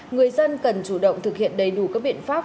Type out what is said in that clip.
người dân cần chủ động thực hiện đầy đủ các biện pháp